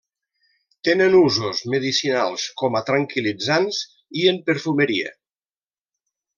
Tenen usos medicinals com a tranquil·litzants i en perfumeria.